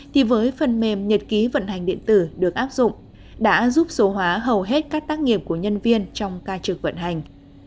thì với phần mềm nhật ký vận hành điện tử được áp dụng đã giúp số hóa hầu hết các tác nghiệp của nhân viên trong ca trực vận hành